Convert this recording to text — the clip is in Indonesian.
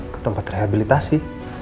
ke tempat rehabilitasi